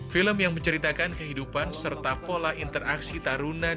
film yang menceritakan kehidupan serta pola interaksi taruna